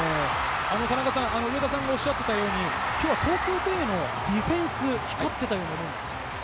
田中さん、上田さんがおっしゃったように、きょうは東京ベイのディフェンス、光ってたように思うんですが。